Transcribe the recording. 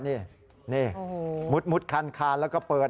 เนี่ยมุดคันคลานก็เปิด